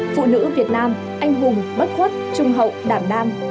phụ nữ việt nam anh hùng bất khuất trung hậu đảm nam